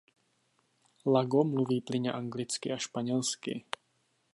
Lago mluví plynně anglicky a španělsky.